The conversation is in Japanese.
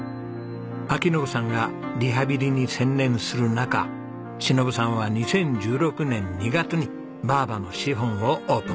章伸さんがリハビリに専念する中忍さんは２０１６年２月に「ばぁばのシフォン」をオープン。